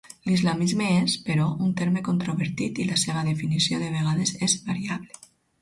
L'islamisme és, però, un terme controvertit i la seva definició de vegades és variable.